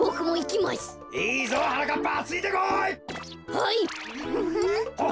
はい。